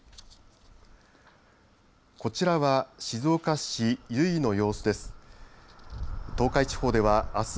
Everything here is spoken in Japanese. こちらは静岡市由比の様子です。